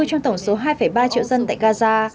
trong tổng số hai ba triệu dân tại gaza